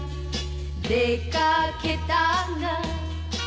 「出掛けたが」